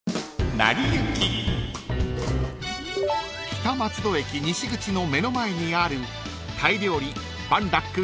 ［北松戸駅西口の目の前にある］